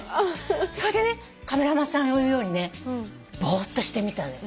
それでねカメラマンさんの言うようにねぼーっとしてみたのよ。